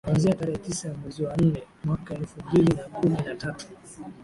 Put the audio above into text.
kuanzia tarehe tisa mwezi wa nne mwaka elfu mbili na kumi na tatu